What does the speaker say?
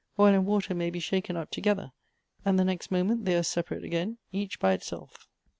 Oil and water may be shaken up together, and the next moment they are separate again, each by itself."